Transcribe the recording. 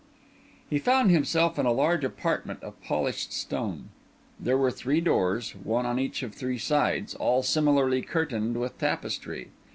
He found himself in a large apartment of polished stone. There were three doors; one on each of three sides; all similarly curtained with tapestry.